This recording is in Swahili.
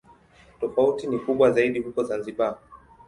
Tofauti ni kubwa zaidi huko Zanzibar.